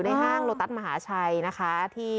อัศวินธรรมชาติ